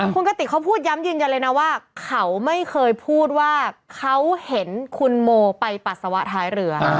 คุณกติกเขาพูดย้ำยืนยันเลยนะว่าเขาไม่เคยพูดว่าเขาเห็นคุณโมไปปัสสาวะท้ายเรือ